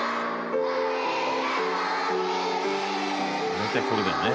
大体これだよね。